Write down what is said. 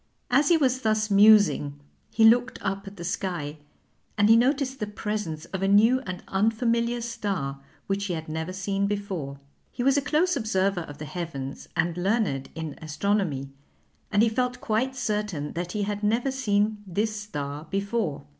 As he was thus musing he looked up at the sky, and he noticed the presence of a new and unfamiliar star, which he had never seen before. He was a close observer of the heavens and learned in astronomy, and he felt quite certain that he had never seen this star before.